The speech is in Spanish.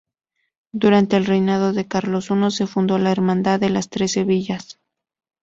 Durante el reinado de Carlos I, se fundó la Hermandad de las Trece Villas.